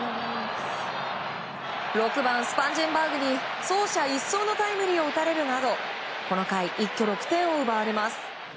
６番スパンジェンバーグに走者一掃のタイムリーを打たれるなどこの回、一挙６点を奪われます。